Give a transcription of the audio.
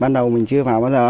ban đầu mình chưa bảo bao giờ ấy